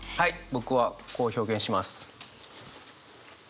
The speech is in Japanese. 僕はこう表現します。